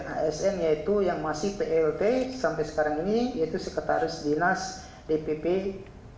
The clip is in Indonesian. asn yaitu yang masih plt sampai sekarang ini yaitu sekretaris dinas dpp